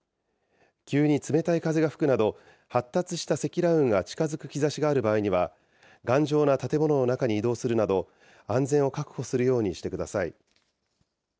急に冷たい風が吹くなど、発達した積乱雲が近づく兆しがある場合には、頑丈な建物の中に移動するなど安全を確保するようにしてください。